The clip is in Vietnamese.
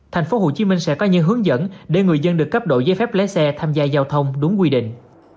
tp hcm sẽ có những hướng dẫn để người dân được cấp đổi giấy phép lái xe tham gia giao thông đúng quy định